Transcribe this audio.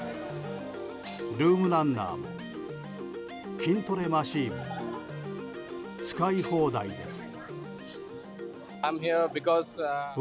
ルームランナーも筋トレマシンも使い放題です。